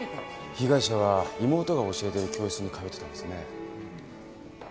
被害者は妹が教えている教室に通ってたんですね。